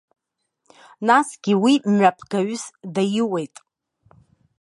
Насгьы уи мҩаԥгаҩыс даиуеит.